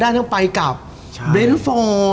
ไอ้วาทีสามแชมป์